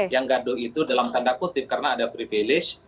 yang gaduh itu dalam tanda kutip karena ada privilege